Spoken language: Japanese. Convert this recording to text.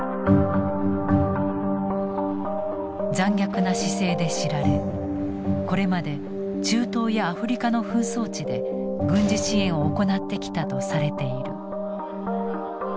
残虐な姿勢で知られこれまで中東やアフリカの紛争地で軍事支援を行ってきたとされている。